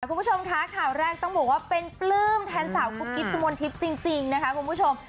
คุณผู้ชมคะข่าวแรกต้องบอกว่าเป็นปลื้มแทนสาวกุ๊กกิ๊บสุมนทิพย์จริงนะคะคุณผู้ชม